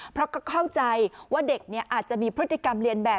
เพราะก็เข้าใจว่าเด็กอาจจะมีพฤติกรรมเรียนแบบ